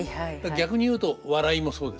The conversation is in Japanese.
逆に言うと笑いもそうですね。